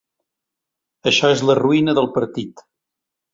Això és la ruïna del partit.